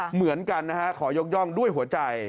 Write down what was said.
เหมือนกันนะฮะขอยกย่องด้วยหัวใจ